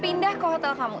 pindah ke hotel kamu